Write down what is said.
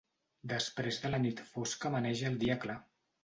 Després de la nit fosca amaneix el dia clar.